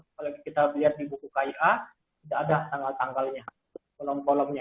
apalagi kita lihat di buku kia tidak ada tanggal tanggalnya kolom kolomnya